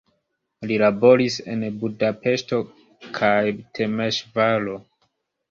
Li laboris en Budapeŝto kaj Temeŝvaro.